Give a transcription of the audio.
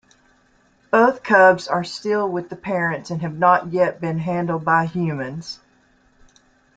Both cubs are still with the parents and have not been handled by humans.